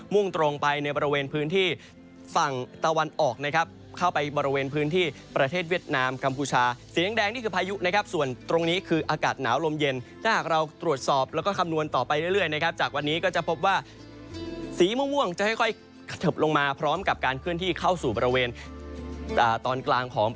่งตรงไปในบริเวณพื้นที่ฝั่งตะวันออกนะครับเข้าไปบริเวณพื้นที่ประเทศเวียดนามกัมพูชาสีแดงนี่คือพายุนะครับส่วนตรงนี้คืออากาศหนาวลมเย็นถ้าหากเราตรวจสอบแล้วก็คำนวณต่อไปเรื่อยนะครับจากวันนี้ก็จะพบว่าสีม่วงจะค่อยกระเทิบลงมาพร้อมกับการเคลื่อนที่เข้าสู่บริเวณตอนกลางของ